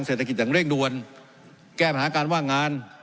เศรษฐกิจอย่างเร่งด่วนแก้ปัญหาการว่างงาน